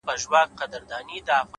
بریا له کوچنیو بریاوو پیلېږي؛